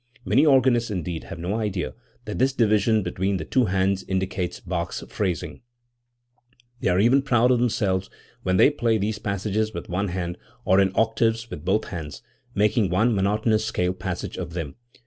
Many organists, indeed, have no idea that this division between the two hands indicates Bach's phrasing; they are even proud of themselves when they play these passages with one hand, or in octaves with both hands, making one monotonous scale passage of them.